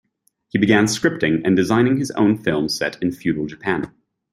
He began scripting and designing his own film set in feudal Japan.